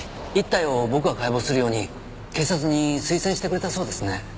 １体を僕が解剖するように警察に推薦してくれたそうですね。